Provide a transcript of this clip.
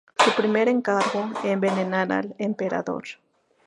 Su primer encargo, envenenar al emperador.